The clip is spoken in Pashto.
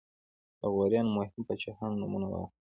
د غوریانو مهمو پاچاهانو نومونه واخلئ.